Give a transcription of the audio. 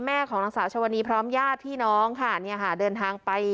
ของนางสาวชวนีพร้อมญาติพี่น้องค่ะเนี่ยค่ะเดินทางไป